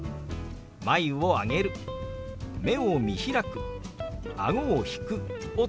「眉を上げる」「目を見開く」「あごを引く」をつけて表しますよ。